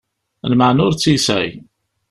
Lmeεna ur tt-yesεi.